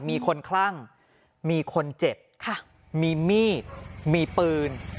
มีคนคลั่งมีคนเจ็บมีมีดมีปืน